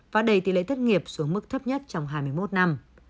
và đẩy tỷ lệ thất nghiệp xuống mức thấp nhất trong hai mươi một năm